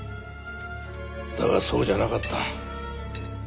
だがそうじゃなかった。